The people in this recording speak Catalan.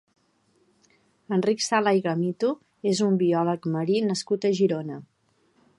Enric Sala i Gamito és un biòleg marí nascut a Girona.